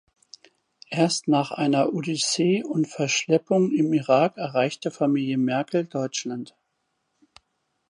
Erst nach einer Odyssee und Verschleppung im Irak erreichte Familie Merkel Deutschland.